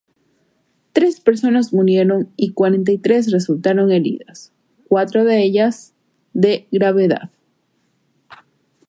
Tres personas murieron, y cuarenta y tres resultaron heridas, cuatro de ellas de gravedad.